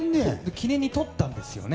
記念に撮ったんですよね。